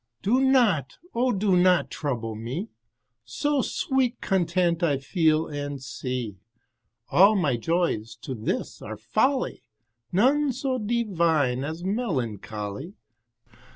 Do not, O do not trouble me, So sweet content I feel and see. All my joys to this are folly, None so divine as melancholy.